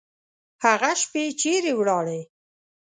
هغه شپې چیري ولاړې؟